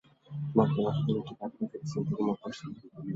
মক্কাবাসীদের একটি কাফেলা ফিলিস্তিন থেকে মক্কা আসছিল।